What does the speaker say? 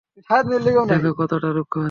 দেখো কতটা রুক্ষ হচ্ছে!